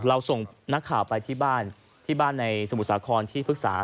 เราส่งนักข่าวไปที่บ้านที่บ้านในสมุทรสาครที่พฤกษา